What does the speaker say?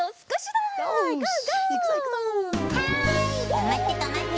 ・はいとまってとまって。